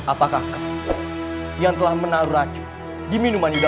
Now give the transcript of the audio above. apakah kau yang telah menaruh racun di minuman yudaka